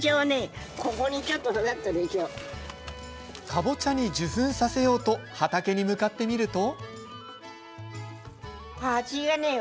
かぼちゃに授粉させようと畑に向かってみると。